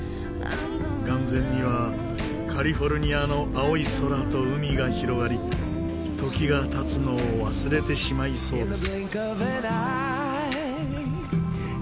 眼前にはカリフォルニアの青い空と海が広がり時が経つのを忘れてしまいそうです。